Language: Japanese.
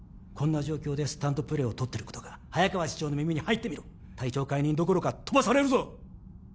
こんな状況でスタンドプレーをとってることが早川次長の耳に入ってみろ隊長解任どころかとばされるぞ！